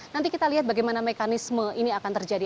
nanti kita lihat bagaimana mekanisme ini akan terjadi